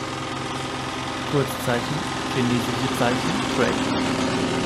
Kurzzeichen: 孙道临; trad.